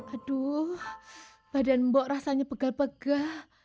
aduh badan mbok rasanya pegal pegal